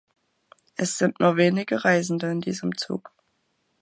Es sind nur wenig Reisende in diesem Zug.